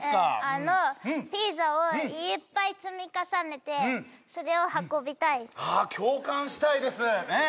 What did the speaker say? あのピザをいっぱい積み重ねてそれを運びたいはあ共感したいですね